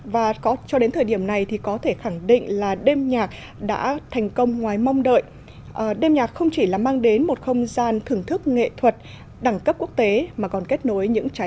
và cho đến thời điểm này thì có thể khẳng định là tổng cộng đồng của trung quốc đã diễn ra